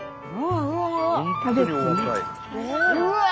うわ！